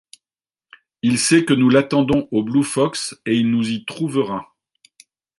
Il sait que nous l’attendons au Blue-Fox et il nous y trouvera…